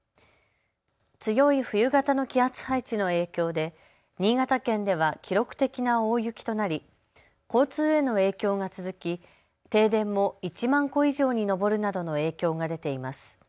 強い冬型の気圧配置の影響で新潟県では記録的な大雪となり交通への影響が続き停電も１万戸以上に上るなどの影響が出ています。